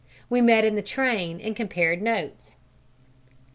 We met in the train and compared notes."